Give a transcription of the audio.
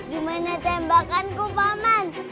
di mana tembakan kupaman